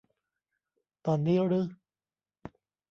ตอนนี้รึ